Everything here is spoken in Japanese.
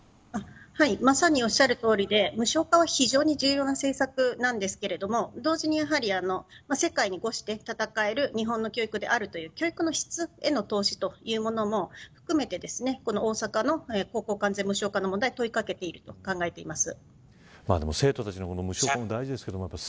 まさにおっしゃるとおりで無償化は非常に重要な政策ですが同時に、世界と戦える日本の教育であるという教育の質への投資というものを含めて大阪の高校完全無償化の問題に問いかけていると考えています。